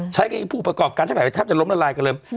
ใช้การอินทรูปประกอบการท่องเที่ยวแหลมแทบจะล้มละลายกันเลย